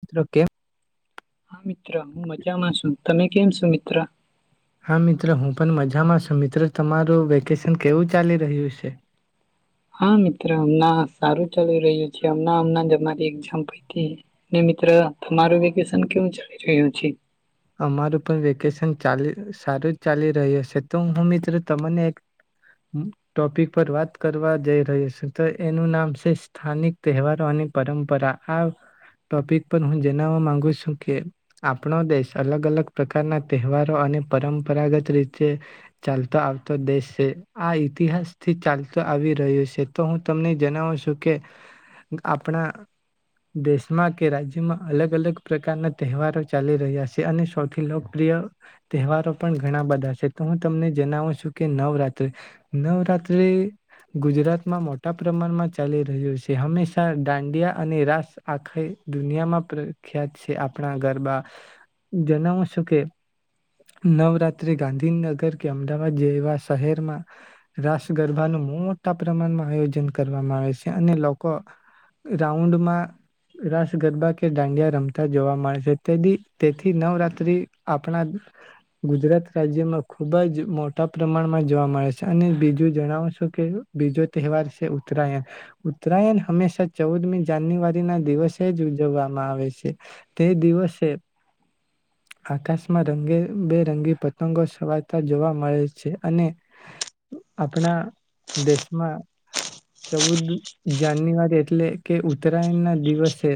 મિત્ર કેમ? હા મિત્ર હું મજામાં શુ, તમે કેમ શો મિત્ર? હા મિત્ર હું પણ મજામાં શુ, મિત્રો તમારું વેકેશન કેવું ચાલી રહ્યું શે? હા મિત્ર હમ સારું ચાલી રહ્યું છે, હમણાં હમણાં જ એક્ઝામ પયતી ને મિત્ર તમારું વેકેશન કેવું ચાલી રહ્યું છે? અમારું પણ વેકેશન ચા સારું જ ચાલી રહ્યું શે. તો હું મિત્રો તને એક ટોપિક પર વાત કરવા જઈ રહ્યો શુ. તો એનું નામ શે સ્થાનિક તહેવારો અને પરંપરા આ ટોપિક પર હું જણાવવા માંગુ શુ કે આપણો દેશ અલગ અલગ પ્રકારના તહેવારો અને પરંપરાગત રીતે ચાલતો આવતો દેશ છે. આ ઇતિહાસ થી ચાલતો આવી રહ્યો શે તો હું તમને જણાવું છું કે આપણા દેશમાં કે રાજ્યમાં અલગ અલગ પ્રકારના તહેવારો ચાલી રહ્યા છે અને સૌથી લોકપ્રિય તહેવારો પણ ઘણા બધા છે, તો હું તમને જનાવું છું કે નવરાત્રી, નવરાત્રી ગુજરાતમાં મોટા પ્રમાણમાં ચાલી રહ્યું છે, હંમેશા દાંડિયા અને રાસ આખાય દુનિયામાં પ્રખ્યાત છે આપણા ગરબા. જનાવો છો કે નવરાત્રી ગાંધીનગર કે અમદાવાદ જેવા શહેરમાં રાસ ગરબાનું મોટા પ્રમાનમાં આયોજન કરવામાં આવે સે અને લોકો રાઉન્ડમાં રાસ ગરબા કે દાંડિયા રમતા જોવા મળે સે, તેથી થી નવરાત્રી આપણા ગુજરાત રાજ્યમાં ખુબ જ મોટા પ્રમાણમાં જોવા મળે છે અને બીજું જણાવશો કે બીજો તહેવાર છે ઉત્તરાયન, ઉત્તરાયન હંમેશા ચૌદમી જાન્યુઆરી ના દિવસે જ ઉજવવામાં આવે સે, તે દિવસે આકાશમાં રંગે બેરંગી પતંગો સવારતા જોવા મળે છે અને આપણા દેશમાં ચૌદ જાન્યુઆરી એટલે કે ઉત્તરાયણના દિવસે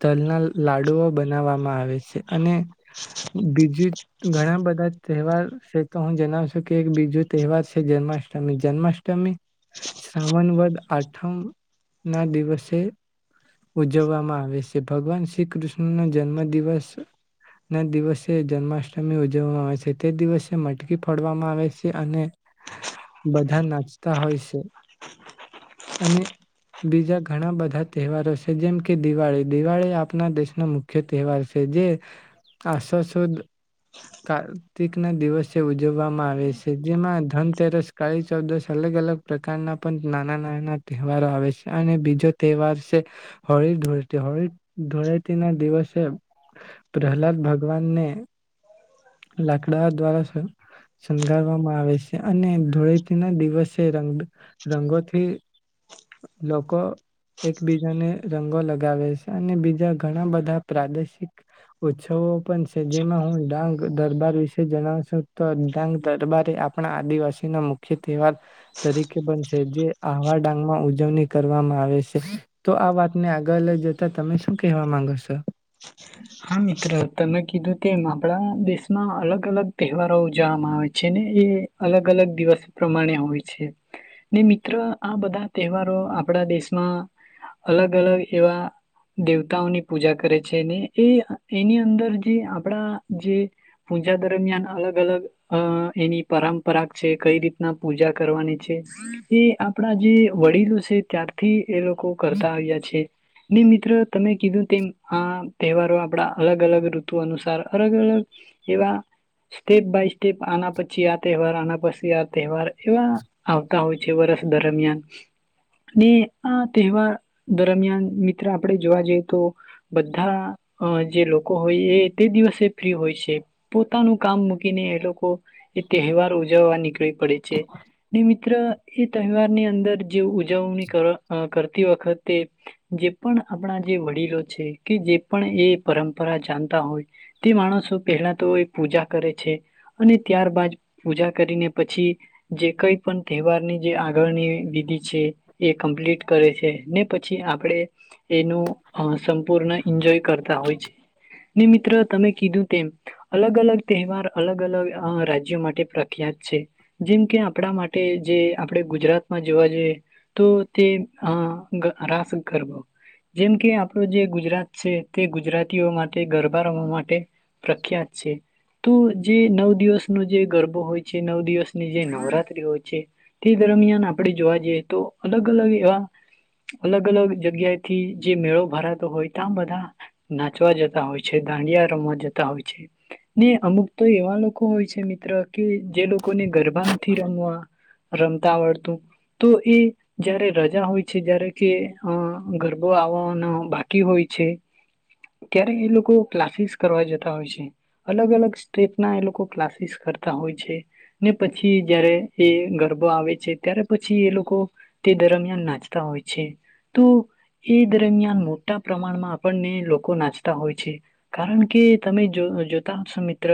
તલના લાડુઓ બ નાવવામાં આવે સે અને બીજું ઘણા બધા તહેવાર સે, તો હું જણાવશ કે એક બીજો તહેવાર સે જન્માષ્ટમી, જન્માષ્ટમી શ્રાવન વદ આઠમના દિવસે ઉજવવામાં આવે સે, ભગવાન શ્રી કૃષ્ણનો જન્મદિવસના દિવસે જન્માષ્ટમી ઉજવવામાં આવે છે, તે દિવસે મટકી ફડવામાં આવે છે અને બધા નાચતા હોય છે. અને બીજા ઘણા બધા તહેવારો સે જેમ કે દિવાળી, દિવાળી આપના દેશના મુ ખ્ય તહેવાર સે, જે આસો સુદ કાર્તિકના દિવસે ઉજવવામાં આવે સે, જેમાં ધનતેરસ, કાળી ચૌદશ અલગ અલગ પ્રકારનાં પન નાના નાના તહેવારો આવે સે અને બીજો તહેવાર સે હોળી ધૂળેટી, હોળી ધૂળેટી ના દિવસ સે પ્રહલાદ ભગવાનને લાકડા દ્વારા સ શણગારવામાં આવે સે અને ધૂળેથીના દિવસે રંગ રંગોથી લોકો એકબીજાને રંગો લગાવે સે અને બીજા ઘણા બધા પ્રાદેશિક ઉત્સવો પણ સે, જેમાં હું ડાંગ દરબાર વિશે જણાવું સુ, તો ડાંગ દરબાર એ આપણા આદિવાસીના મુખ્ય તેવાર તરીકે પન છ જે આહવા ડાંગ માં ઉજવણી કરવામાં આવે સે, તો આ વાતને આગળ લઈ જતા તમે શું કેહવા માંગો સો? હા મિત્ર, તમે કીધુ તેમ આપણા દેશમાં અલગ અલગ તહેવારો ઉજવવામાં આવે છે ને એ અલગ અલગ દિવસ પ્રમાણે હોય છે ને મિત્ર આ બધા તહેવારો આપણા દેશમાં અલગ અલગ એવા દેવતાઓની પૂજા કરે છે ને એ એની અંદર જે આપણા જે પૂજા દરમિયાન અલગ અલગ અ એની પરંપરા છે, કઈ રીતના પૂજા કરવાની છે, એ આપણા જે વડીલો છે ત્યારથી એ લોકો કરતા આવ્યા છે. ને મિત્ર તમે કીધું તેમ આ તહેવારો આપડા અલગ અલગ ઋતુ અનુસાર અલગ અલગ એવા સ્ટેપ બાય સ્ટેપ આના પછી આ તહેવાર, આના પસી આ તહેવાર એવા આવતા હોય છે વરષ દરમિયાન ને આ તહેવાર દરમિયાન મિત્ર આપણે જોવા જઈએ તો બધા અ જે લોકો હોય એ તે દિવસે ફ્રી હોય છે, પોતાનું કામ મૂકીને એ લોકો એ તહેવાર ઉજવવા નીકળી પડે છે ને મિત્ર એ તહેવારની અંદર જે ઉજવણી કર અ કરતી વખતે જે પણ આપણા જે વડીલો છે કે જે પણ એ પરંપરા જાનતા હોય તે માણસો પહેલા તો એ પૂજા કરે છે અને ત્યાર બાાદ પૂજા કરીને પછી જે કઈ પણ તહેવારની જે આગળની વિધિ છે એ કમ્પ્લીટ કરે છે ને પછી આપણે એનું અ પૂર્ણ એન્જોય કરતા હોય છે. ને મિત્ર તમે કીધું તેમ અલગ અલગ તહેવાર અલગ અલગ રાજ્યો માટે પ્રખ્યાત છે, જેમકે આપણા માટે જે આપણે ગુજરાતમાં જોવા જઈએ, તો તે રાસ ગરબો જેમ કે આપણો જે ગુજરાત છે તે ગુજરાતીઓ માટે ગરબા રમવા માટે પ્રખ્યાત છે, તો જે નવ દિવસનો જે ગરબો હોય છે નવ દિવસની જે નવરાત્રી હોય છે, તે દરમિયાન આપણે જોવા જઈએ તો અલગ અલગ એવા, અલગ અલગ જગ્યાથી જે મેળો ભાર તો બધા નાચવા જતા હોય છે દાંડિયા રમવા જતા હોય છે, ને અમુક તો એવા લોકો હોય છે મિત્ર કે જે લોકોને ગરબા નથી રમવા રમતા આવડતું તો એ જયારે રજા હોય છે, જ્યારે કે ગરબો આવવાના બાકી હોય છે, ત્યારે એ લોકો ક્લાસીસ કરવા જતા હોય છે, અલગ અલગ સ્ટેપ ના એ લોકો ક્લાસીસ કરતા હોય છે, ને પછી જયારે એ ગરબા આવે છે ત્યારે પછી એ લોકો તે દરમિયાન નાચતા હોય છે, તો એ દરમિયાન મોટા પ્રમાણમાં આપણને લોકો નાચતા હોય છે, કારણ કે તમે જો જોતા હશો મિત્ર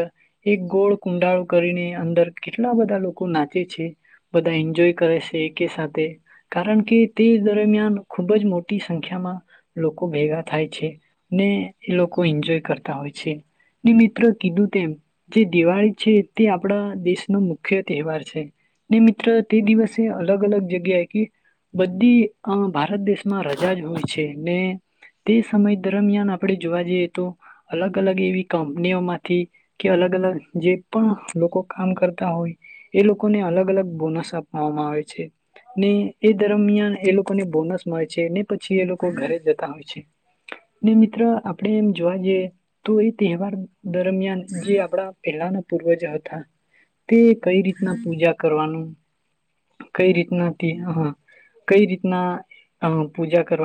એક ગોળ કુંડાળ કરીને અંદર કેટલા બધા લોકો નાચે છે, બધા એન્જોય કરે છે, એક સાથે કારણ કે તે દરમિયાન ખુબ જ મોટી સંખ્યામાં લોકો ભેગા થાય છે, ને એ લોકો એન્જોય કરતા હોય છે, ને મિત્ર કીધું તેમ જે દિવાળી છે તે આપણા દેશનો મુખ્ય તહેવાર છે, ને મિત્ર તે દિવસે અલગ અલગ જગ્યાએ કે બધી ભારત દેશમાં રજા જ હોય છે. ને તે સમય દરમિયાન આપણેે જોવા જઈએ તો, અલગ અલગ એવી કંપનીઓ માંથી કે અલગ અલગ જે પણ લોકો કામ કરતા હોય એ લોકોને અલગ અલગ બોનસ આપવામાં આવે છે, ને એ દરમિયાન એ લોકોને બોનસ મળે છે ને પછી એ લોકો ઘરે જતા હોય છે, ને મિત્ર આપણે એમ જોવા જઈએ તો એ તહેવાર દરમિયાન જે આપડા પહેલાના પૂર્વજ હતા, તે કઈ રીતના પૂજા કરવાનું, કઈ રીતના કઈ રીતના પૂજા કરવા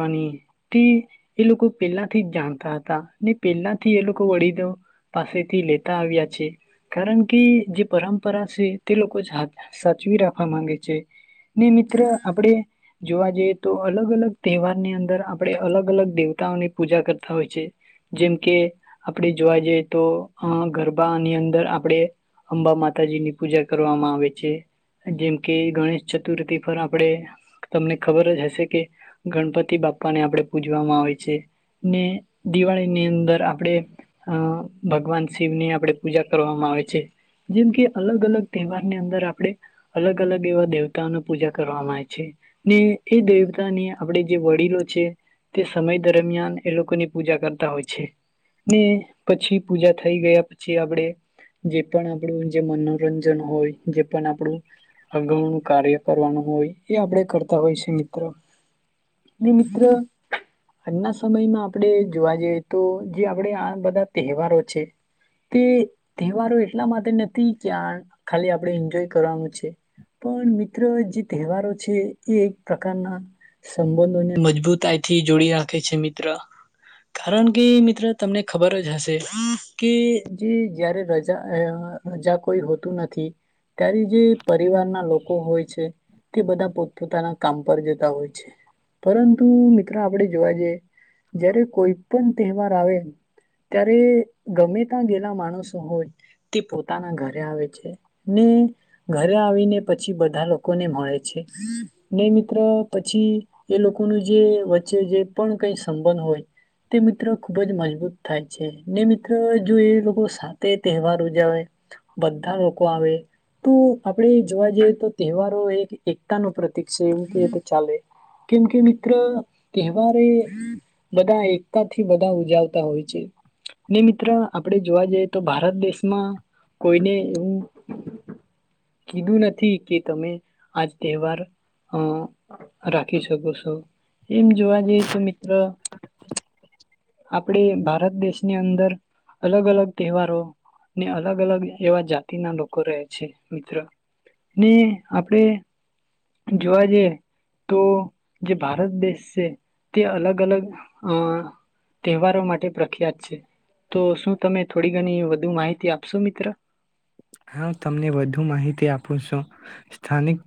એ લોકો પહેલાથી જ જાણતા હતા, ને પહેલાથી એ લોકો વડીદો પાસેથી લેતા આવ્યા છે કારણ કે જે પરંપરા છે, તે લોકો સાચવી રાખવા માંગે છે, ને મિત્ર આપણે જોવા જઈએ તો અલગ અલગ તહેવાર ની અંદર આપડણે અલગ અલગ દેવતાઓની પૂજા કરતા હોય છે, જેમ કે આપડે જોવા જઈએ તો ગરબાની અંદર આપડે, અંબા માતાજી ની પૂજા કરવામાં આવે છે, જેમકે ગણેશ ચતુર્થી પર આપણેે તમને ખબર જ હશે કે ગણપતિ તી બાપાને આપણે પૂજવામાં આવે છે, ને દિવાળીની અંદર આપડે અ ભગવાન શિવ ની આપણેે પૂજા કરવામાં આવે છે, જેમ કે અલગ અલગ તહેવારની અંદર આપણેે અલગ અલગ એવા દેવતાઓની પૂજા કરવામાં આવે છે, ને એ દેવતા ને આપણે જે વડીલો છે, તે સમય દરમિયાન એ લોકોની પૂજા કરતા હોય છે, ને પછી પૂજા થઈ ગયા પછી આપણે જે પણ આપણું જે મનોરંજન હોય, જે પણ આપણું અગાઉનું કાર્ય કરવાનું હોય એ આપણે કરતા હોય છે મિત્રો. ને મિત્ર આજના સમયમાં આપણે જોવા જઈએ તો જે આપણે આ બધા તહેવારો છે, તે તહેવારો એટલા માટે નથી કે આ ખાલી આપણે એન્જોય કરવાનું છે, પણ મિત્ર જે તહેવારો છે એ એક પ્રકારના સંબંધોને મજબૂતાઈથી જોડી રાખે છે મિત્ર, કારણ કે મિત્ર તમને ખબર જ હશે, કે જે જયારે રજા રજા કોઈ હોતું નથી, ત્યારે જે પરિવારના લોકો હોય છે તે બધા પોતપોતાના કામ પર જતા હોય છે. પરંતુ મિત્રો આપડે જોવા જઈએ, જયારે કોઈ પણ તહેવાર આવે, ત્યારે ગમે ત્યાં ગયેલા માણસો હોય તે પોતાના ઘરે આવે છે, ને ઘરે આવીને પછી બધા લોકોને મળે છે, ને મિત્ર પછી એ લોકોનું જે વચ્ચે જે પણ કઈ સંબંધ હોય, તે મિત્ર ખુબ જ મજબૂત થાય છે ને મિત્ર જો એ લોકો સાથે તહેવાર ઉજાવે, બધા લોકો આવે તો આપણેે જોવા જઈએ તો તહેવારો એક એકતા ન પ્રતિક છે એવું કએ તો ચાલે. કેમ કે મિત્ર તહેવાર એ બધા એકતાથી બધા ઉજવતા હોય છે, ને મિત્ર આપણે જોવા જઈએ તો ભારત દેશમાં, કોઈને એવું કીધું નથી કે તમે આજ તહેવાર રાખી શકો છો, એમ જોવા જઈ તો મિત્ર આપણે ભારત દેશની અંદર અલગ અલગ તહેવારો ને અલગ અલગ એવા જાતિના લોકો રહે છે, મિત્ર ને આપણે જોવા જઈએ તો જે ભારત દેશ છે, તે અલગ અલગ અ તહેવારો માટે પ્રખ્યાત છે, તો શું તમે થોડી ઘણી વધુ માહિતી આપશો મિત્ર? હા તમને વધુ માહિતી આપું છું. સ્થાનિક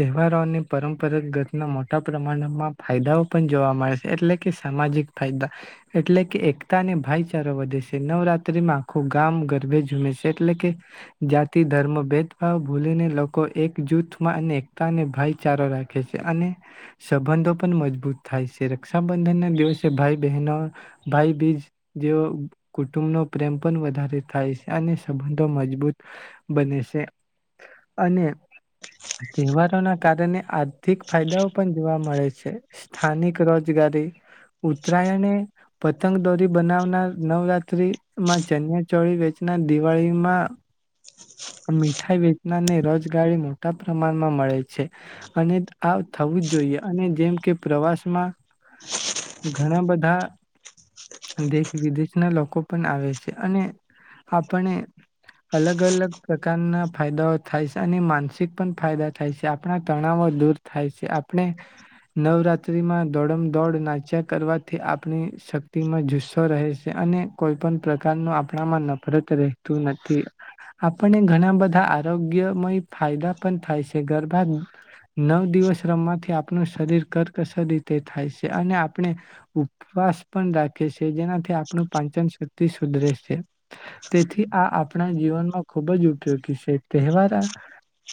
તહેવારોને પરંપરા ગતના મોટા પ્રમાણમાં ફાયદાઓ પણ જોવા મળે છે, એટલે કે સામાજિક ફાયદા, એટલે કે એકતા અને ભાઈચારો વધે છે નવરાત્રીમાં આખું ગામ ગરભે જમે છે. એટલે કે, જાતિ ધર્મ ભેદભાવ ભૂલીને લોકો એક જૂથમાં અને એકતા અને ભાઈચારો રાખે છે અને, સંબંધો પણ મજબૂત થાય છે રક્ષાબંધન ના દિવસે ભાઈ બહેનો, ભાઈ બીજ જેવો કુટુંબનોો પ્રેમ પણ વધારે થાય છે અને સંબંધો મજબૂત બને શે અને તહેવારોના કારણે આર્થિક ફાયદાઓ પણ જોવા મળે છે સ્થાનિક રોજગારી ઉત્તરાયણ પતંગ દોરી બનાવનાર નવરાત્રીમાં ચન્યા ચોળી વેચનાર દિવાળીમાં મીઠાઈ વેચનારને રોજગારી મોટા પ્રમાણમાં મળે છે અને આ થવું જ જોઈએ અને જેમ કે પ્રવાસમાં ઘણા બધા દેશ વિદેશના લોકો પણ આવે શે અને આપણે અલગ અલગ પ્રકારના ફાયદાઓ થાય શે અને માનસિક પણ ફાયદા થાય શે આપણા તણાવો દૂર થાય શે આપણે નવરાત્રિમાં દોડમ દોડ નાચ્યા કરવાથી આપણી શક્તિમાં જુસ્સો રહે શે અને કોઈ પણ પ્રકારનો આપણામાં નમ તું નથી આપણને ઘણા બધા આરોગ્યમય ફાયદા પણ થાય શે ગરબા નવ દિવસ રમવાથી આપણું શરીર કરકસર રીતે થાય શે અને આપણે ઉપવાસ પણ રાખે શે. જેનાથી આપણું પાંચન શક્તિ સુધરે શે. તેથી આ આપણા જીવનમાં ખૂબ જ ઉપયોગી શે. તહેવારા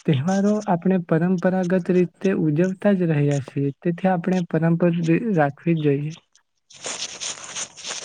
તહેવારો આપણે પરંપરાગત રીતે ઉજવતા જ રહ્યા છીએ તેથી આપણે પરંપરા રાખવી જ જોઈએ.